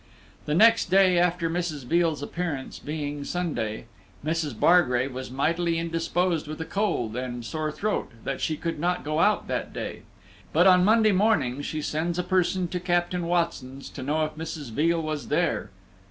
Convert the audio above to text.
The next day after Mrs. Veal's appearance, being Sunday, Mrs. Bargrave was mightily indisposed with a cold and sore throat, that she could not go out that day; but on Monday morning she sends a person to Captain Watson's to know if Mrs. Veal was there.